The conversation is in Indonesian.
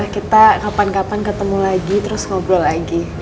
kita kapan kapan ketemu lagi terus ngobrol lagi